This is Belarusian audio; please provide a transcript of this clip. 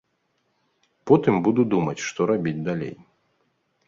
Потым буду думаць, што рабіць далей.